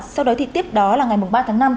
sau đó thì tiếp đó là ngày ba tháng năm